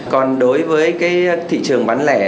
còn đối với cái thị trường bán lẻ